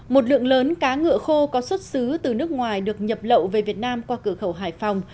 một lượng lớn cá ngựa khô có xuất xứ từ nước ngoài được nhập lậu về việt nam qua cửa khẩu hải phòng